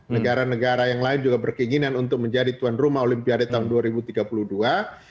negara negara yang lain juga berkeinginan untuk menjadi tuan rumah olimpiade tahun dua ribu tiga puluh dua